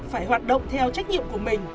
phải hoạt động theo trách nhiệm của mình